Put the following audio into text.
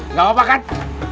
nggak apa apa kak